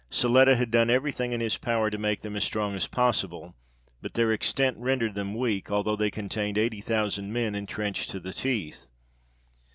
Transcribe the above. Siletta had done every thing in his power to make them as strong as possible ; but their extent rendered them weak, although they contained eighty thousand men, entrenched to the teeth.